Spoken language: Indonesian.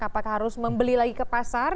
apakah harus membeli lagi ke pasar